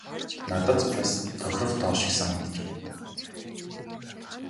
Надад ч бас тохирох тоо шиг санагдаж байна.